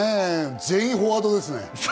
全員フォワードですね！